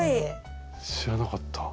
知らなかった。